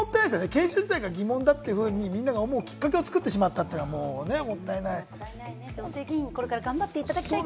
研修自体が疑問だってみんなが思うきっかけを作ってしまったというのはね、もったいない。